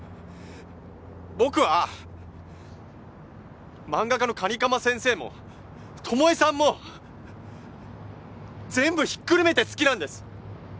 僕は漫画家の蟹釜先生も巴さんも全部引っくるめて好きなんです。